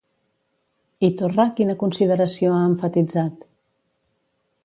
I Torra quina consideració ha emfatitzat?